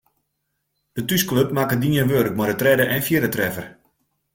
De thúsklup makke dien wurk mei de tredde en fjirde treffer.